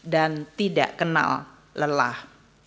dan tidak kenal lelah